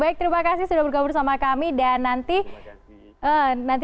baik terima kasih sudah bergabung sama kami dan nanti